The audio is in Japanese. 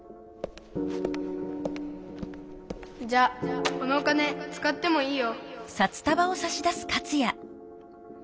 じゃあこのお金つかってもいいよ。